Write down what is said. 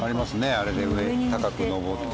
あれで上に高く上って。